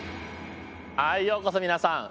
はいようこそ皆さん。